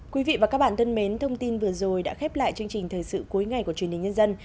quý vị và các bạn thân mến thông tin vừa rồi đã khép lại chương trình thời sự cuối ngày của truyền hình nhân dân